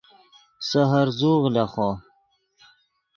سے ہر زوغ لیخو